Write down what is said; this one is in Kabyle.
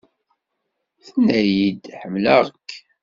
Tenna-yi-d "ḥemmleɣ-k".